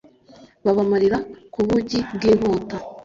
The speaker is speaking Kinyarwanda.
babamarira ku bugi bw'inkota